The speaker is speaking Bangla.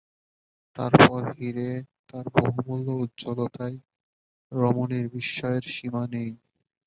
তার পর হীরে, তার বহুমূল্য উজ্জ্বলতায় রমণীর বিস্ময়ের সীমা নেই।